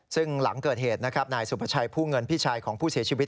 ซึ่งหลังเกิดเหตุนะครับนายสุภาชัยผู้เงินพี่ชายของผู้เสียชีวิต